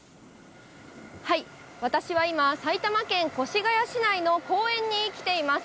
私は今、埼玉県越谷市内の公園に来ています。